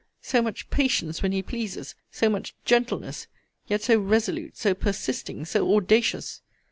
So much patience when he pleases! So much gentleness! Yet so resolute, so persisting, so audacious!